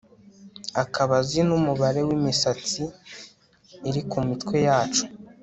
akaba azi numubare wimisatsi iri ku mitwe yacu